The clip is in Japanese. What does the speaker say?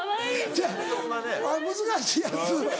そや難しいやつ。